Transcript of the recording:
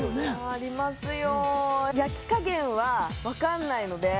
ありますよ